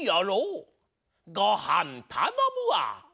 ごはんたのむわ。